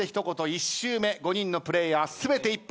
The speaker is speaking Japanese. １周目５人のプレーヤー全て一本を取りました。